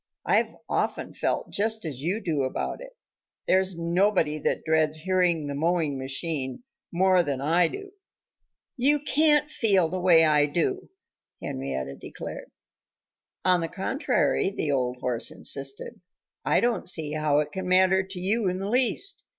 "I've often felt just as you do about it. There's nobody that dreads hearing the mowing machine more than I do." "You can't feel the way I do," Henrietta declared. "On the contrary," the old horse insisted, "I don't see how it can matter to you in the least.